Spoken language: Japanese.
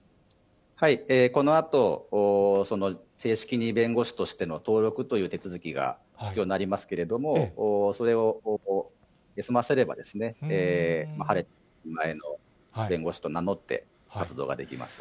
このあと、正式に弁護士としての登録手続きが必要になりますけれども、それを済ませれば、晴れて一人前の弁護士と名乗って、活動ができます。